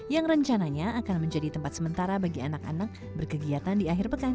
yang rencananya akan menjadi tempat sementara bagi anak anak berkegiatan di akhir pekan